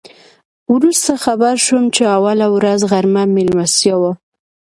وروسته خبر شوم چې اوله ورځ غرمه میلمستیا وه.